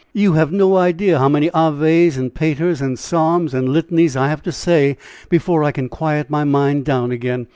You have no idea how many aves and paters, and psalms and litanies I have to say before I can quiet my mind down again!